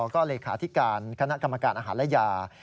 ก็เลขาธิการคณะกรรมการอาหารและยา